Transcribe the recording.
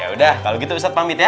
yaudah kalau gitu ustadz pamit ya